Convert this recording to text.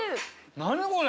何これ。